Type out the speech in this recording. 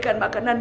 kau mau ke mana